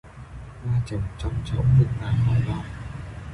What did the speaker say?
Hoa trồng trong chậu vững vàng khỏi lo